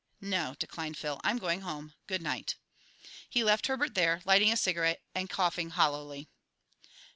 "No," declined Phil. "I'm going home. Good night." He left Herbert there, lighting a cigarette and coughing hollowly.